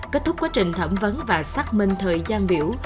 kết thúc quá trình thẩm vấn và xác minh thời gian biểu